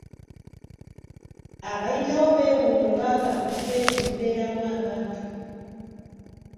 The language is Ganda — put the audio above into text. Abayitawo bewuunya oba nga mu kifo ekyo mubeeramu abantu.